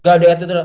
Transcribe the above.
gak deket itu